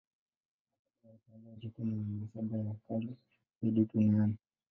Nasaba ya watawala wa Japani ni nasaba ya kale zaidi duniani.